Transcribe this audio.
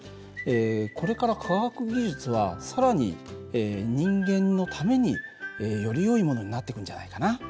これから科学技術は更に人間のためによりよいものになっていくんじゃないかな。